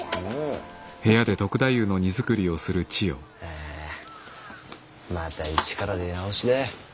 あまた一から出直しだ。